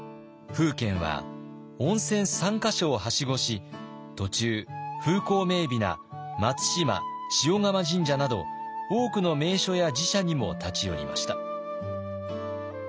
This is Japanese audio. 楓軒は温泉３か所をはしごし途中風光明美な松島鹽竈神社など多くの名所や寺社にも立ち寄りました。